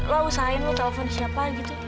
lo usahain lo telfon siapa gitu